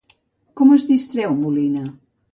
Com es distreu Molina?